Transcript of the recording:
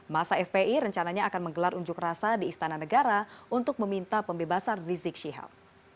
masa fpi rencananya akan menggelar unjuk rasa di istana negara untuk meminta pembebasan rizik syihab